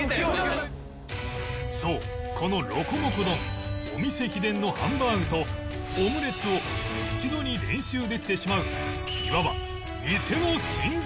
そうこのロコモコ丼お店秘伝のハンバーグとオムレツを一度に練習できてしまういわば